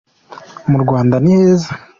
murwanda niheza